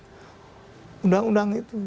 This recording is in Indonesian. karena dia punya undang undang itu